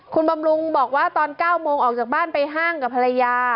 คุณบำรุงบอกว่าตอน๙โมงออกจากบ้านไปห้างกับภรรยา